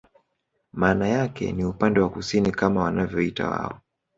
Maana yake ni upande wa kusini kama wanavyoita wao